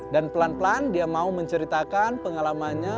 dan pelan pelan dia mau menceritakan pengalamannya